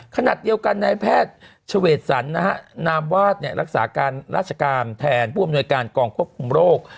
ขณะเดียวกันนายแพทย์เฉวดสันนะฮะนามวาดรักษาการราชการแทนผู้อำนวยการกองควบคุมโรค